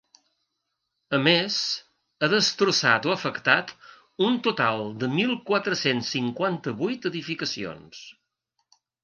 A més, ha destrossat o afectat un total de mil quatre-cents cinquanta-vuit edificacions.